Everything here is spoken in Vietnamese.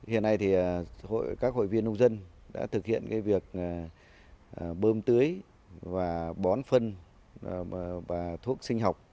hiện nay các hội viên nông dân đã thực hiện việc bơm tưới bón phân và thuốc sinh học